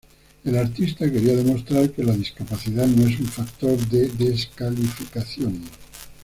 El artista quería demostrar que la discapacidad no es un factor de descalificación.